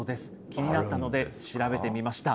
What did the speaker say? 気になったので、調べてみました。